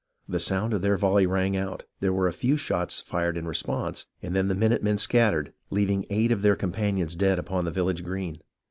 The sound of their volley rang out, there were a few shots fired in response, 40 HISTORY OF THE AMERICAN REVOLUTION and then the minute men scattered, leaving eight of their companions dead upon the village green.